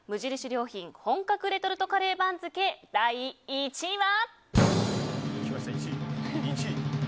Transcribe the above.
良品本格レトルトカレー番付第１位は。